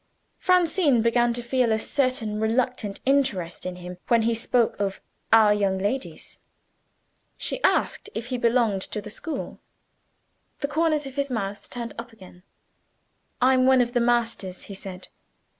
Francine began to feel a certain reluctant interest in him when he spoke of "our young ladies." She asked if he belonged to the school. The corners of his mouth turned up again. "I'm one of the masters," he said.